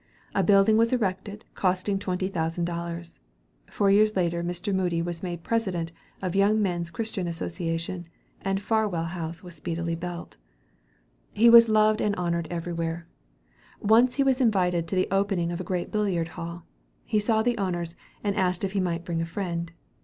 A building was erected, costing twenty thousand dollars. Four years later, Mr. Moody was made President of the Young Men's Christian Association, and Farwell Hall was speedily built. He was loved and honored everywhere. Once he was invited to the opening of a great billiard hall. He saw the owners, and asked if he might bring a friend.